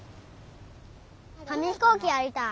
かみひこうきやりたい。